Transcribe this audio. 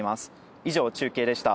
以上、中継でした。